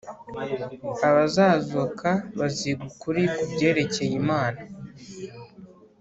Abazazuka baziga ukuri ku byerekeye Imana